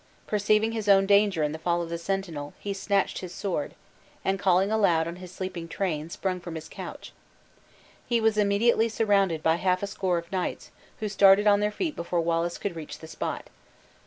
Perceiving his own danger in the fall of the sentinel, he snatched his sword, and calling aloud on his sleeping train, sprung from his couch. He was immediately surrounded by half a score of knights, who started on their feet before Wallace could reach the spot.